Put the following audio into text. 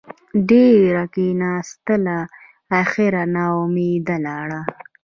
ډېره کېناستله اخېر نااوميده لاړه.